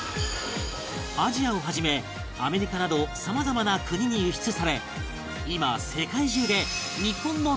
アジアをはじめアメリカなどさまざまな国に輸出され今